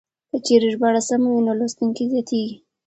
که چېرې ژباړه سمه وي نو لوستونکي زياتېږي.